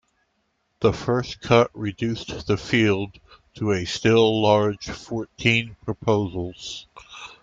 The first cut reduced the field to a still-large fourteen proposals.